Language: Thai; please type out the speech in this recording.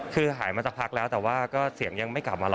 คือหายมาสักพักแล้วแต่ว่าก็เสียงยังไม่กลับมาหรอ